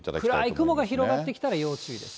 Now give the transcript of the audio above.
暗い雲が広がってきたら要注意です。